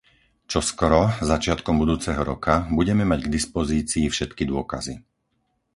Čoskoro, začiatkom budúceho roka, budeme mať k dispozícii všetky dôkazy.